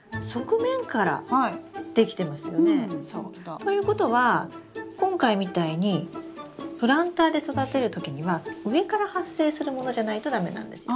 ということは今回みたいにプランターで育てる時には上から発生するものじゃないと駄目なんですよ。